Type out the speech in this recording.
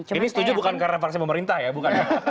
ini setuju bukan karena varsi pemerintah ya bukan ya